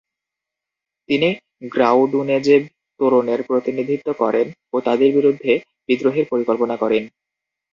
তিনি গ্রাউডুনেজেব তোরনের প্রতিনিধিত্ব করেন ও তাদের বিরুদ্ধে বিদ্রোহের পরিকল্পনা করেন।